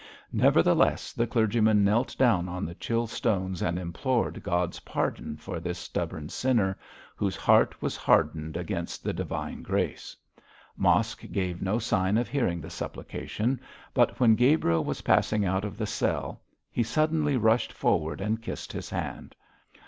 Nevertheless, the clergyman knelt down on the chill stones and implored God's pardon for this stubborn sinner, whose heart was hardened against the divine grace. Mosk gave no sign of hearing the supplication; but when Gabriel was passing out of the cell, he suddenly rushed forward and kissed his hand.